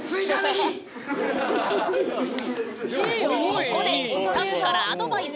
ここでスタッフからアドバイス！